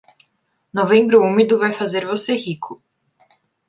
Novembro úmido vai fazer você rico.